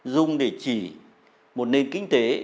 dùng để chỉ một nền kinh tế